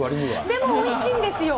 でも、おいしいんですよ。